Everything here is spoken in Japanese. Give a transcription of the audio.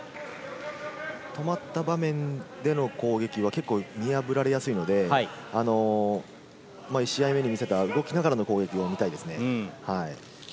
止まった場面での攻撃は見破られやすいので、１試合目に見せた動きながらの攻撃を見たいですね。